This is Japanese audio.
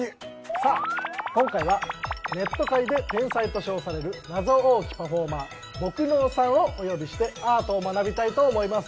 さあ今回はネット界で天才と称される謎多きパフォーマーぼく脳さんをお呼びしてアートを学びたいと思います。